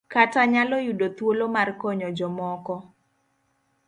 Kata nyalo yudo thuolo mar konyo jomoko.